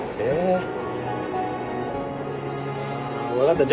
分かった。